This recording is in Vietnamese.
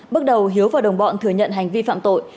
bước đầu hiếu và đồng bọn thừa nhận hành vi phạm tội